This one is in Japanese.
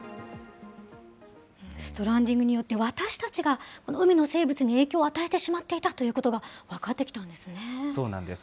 ストランディングによって、私たちが海の生物に影響を与えてしまっていたということが分かっそうなんです。